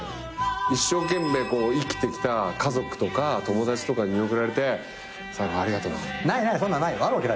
一生懸命生きてきた家族とか友達とかに見送られて最後「ありがとな」ない。